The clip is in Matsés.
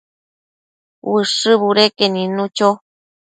Ushë budeque nidnu cho